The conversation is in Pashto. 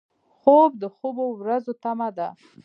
خوب د خوبو ورځو تمه ده